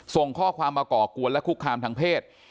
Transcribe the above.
ส่งข้อความมาก่อกวนและคุกคามทางเพศ